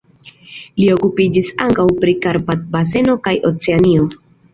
Li okupiĝis ankaŭ pri Karpat-baseno kaj Oceanio.